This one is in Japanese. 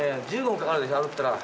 １５分かかるでしょ歩いたら。